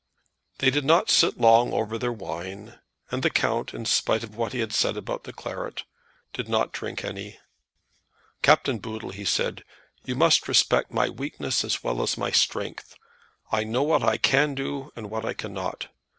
They did not sit long over their wine, and the count, in spite of what he had said about the claret, did not drink any. "Captain Boodle," he said, "you must respect my weakness as well as my strength. I know what I can do, and what I cannot.